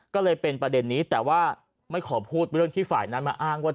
ก็เลยเป็นประเด็นนี้แต่ว่าไม่ขอพูดเรื่องที่ฝ่ายนั้นมาอ้างว่า